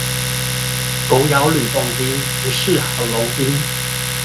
狗咬呂洞賓，不識郝龍斌